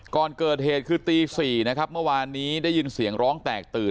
ก่อนเกิดเหตุคือตี๔นะครับเมื่อวานนี้ได้ยินเสียงร้องแตกตื่น